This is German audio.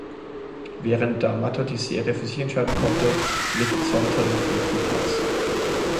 Während da Matta die Serie für sich entscheiden konnte, belegte Zonta den fünften Platz.